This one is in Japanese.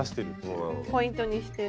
ポイントにして。